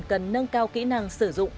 cần nâng cao kỹ năng sử dụng